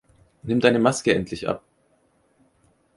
Nimm deine Maske endlich ab!